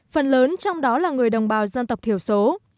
phần lớn trong đó là người đồng bào dân tộc thiểu số